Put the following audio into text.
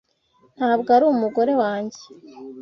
Ntabwo ari umugore wanjye.